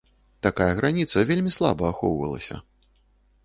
Такая граніца вельмі слаба ахоўвалася.